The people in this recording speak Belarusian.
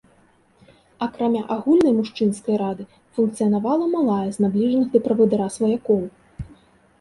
Акрамя агульнай мужчынскай рады функцыянавала малая з набліжаных да правадыра сваякоў.